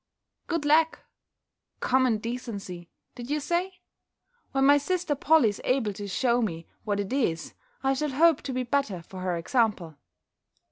"Good lack! Common decency, did you say? When my sister Polly is able to shew me what it is, I shall hope to be better for her example."